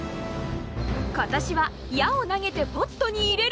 今年は矢を投げてポットに入れる。